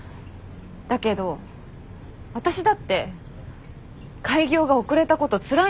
だけど私だって開業が遅れたことつらいのよ。